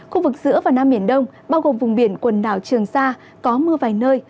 khu vực giữa và nam biển đông bao gồm vùng biển quần đảo trường sa có mưa vài nơi